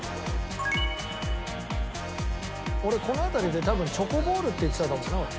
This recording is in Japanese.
俺この辺りで多分チョコボールって言ってたかもな。